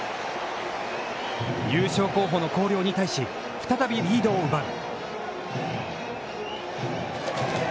優勝候補の広陵に対し再びリードを奪う。